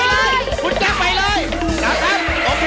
ลองดูดอกเอ่นนะครับ